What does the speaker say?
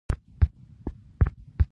پښتون او افغان په فطري ډول مسلمان دي.